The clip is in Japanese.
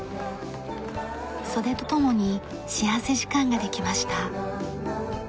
それとともに幸福時間ができました。